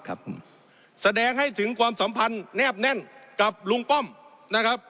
ครับแสดงให้ถึงความสัมพันธ์แนบแน่นกับลุงป้อมนะครับ